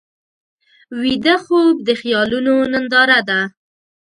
ویده خوب د خیالونو ننداره ده